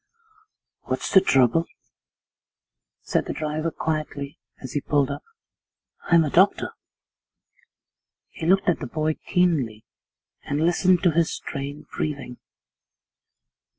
'What's the trouble?' said the driver quietly as he pulled up. 'I'm a doctor.' He looked at the boy keenly and listened to his strained breathing.